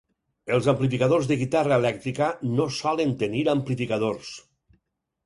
Els amplificadors de guitarra elèctrica no solen tenir amplificadors.